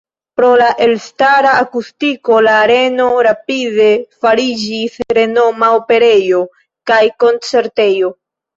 Pro la elstara akustiko la areno rapide fariĝis renoma operejo kaj koncertejo.